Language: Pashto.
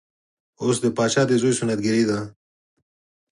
اوس د پاچا د زوی سنت ګري ده.